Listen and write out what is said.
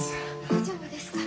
大丈夫ですか？